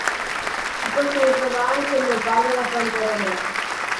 Si possono trovare anche il leopardo e la pantera nera.